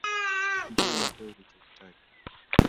Njoo nikupee ulichohitaji